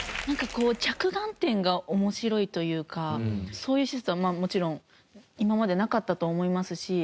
なんか着眼点が面白いというかそういう施設はまあもちろん今までなかったと思いますし。